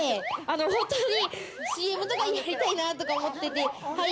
本当にＣＭとかやりたいなとか思ってて。